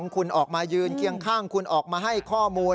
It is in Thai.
คุณออกมายืนเคียงข้างคุณออกมาให้ข้อมูล